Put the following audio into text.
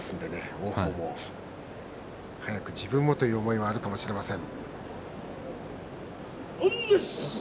王鵬は自分もという気持ちもあるかもしれません。